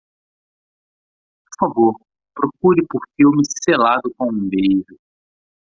Por favor, procure por filme Selado com um Beijo.